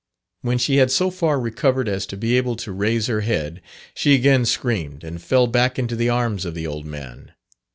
When she had so far recovered as to be able to raise her head, she again screamed, and fell back into the arms of the old man.